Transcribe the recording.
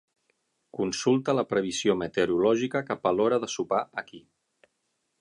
Consulta la previsió meteorològica cap a l'hora de sopar aquí.